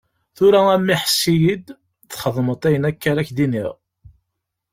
Tura a mmi, ḥess-iyi-d, txedmeḍ ayen akka ara k-d-iniɣ.